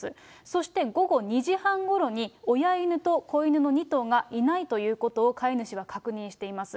そして、午後２時半ごろに、親犬と子犬の２頭がいないということを、飼い主は確認しています。